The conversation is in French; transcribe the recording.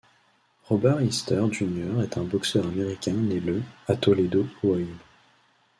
Robert Easter Jr est un boxeur américain né le à Toledo, Ohio.